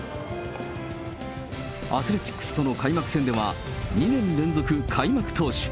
アスレチックスとの開幕戦では、２年連続開幕投手。